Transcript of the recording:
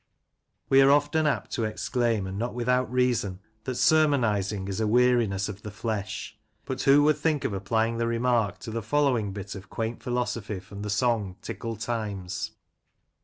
We are often apt to exclaim, and not without reason, that Edwin Waugk. 31 sermonising is a weariness of the flesh. But who would think of applying the remark to the following bit of quaint philosophy from the song, " Tickle Times